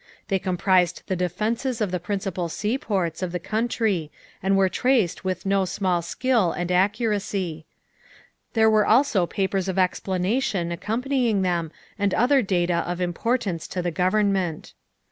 They com prised the defences of the principal seaports of the country and were traced with no small skill and accu racy. There were also papers of explanation accom panying them and other data of importance to the Gov ernment.